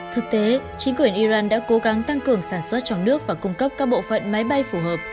thực tế chính quyền iran đã cố gắng tăng cường sản xuất trong nước và cung cấp các bộ phận máy bay phù hợp